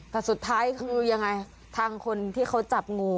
แต่สุดท้ายคือยังไงทางคนที่เขาจับงู